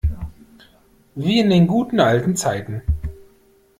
Wie in den guten, alten Zeiten!